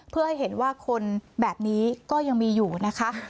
เพื่อให้เห็นว่าคนแบบนี้ก็ยังมีอยู่นะคะ